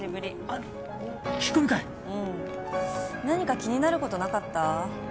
何か気になることなかった？